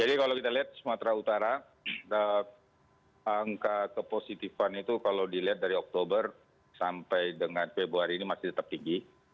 jadi kalau kita lihat sumatera utara angka kepositifan itu kalau dilihat dari oktober sampai dengan februari ini masih tetap tinggi